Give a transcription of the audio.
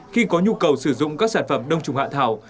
khi có nhu cầu sử dụng các sản phẩm đông trùng hạ thảo